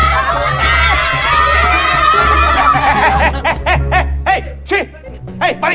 balik balik balik balik balik balik